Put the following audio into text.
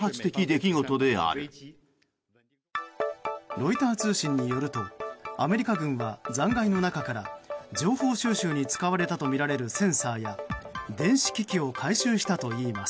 ロイター通信によるとアメリカ軍は残骸の中から情報収集に使われたとみられるセンサーや電子機器を回収したといいます。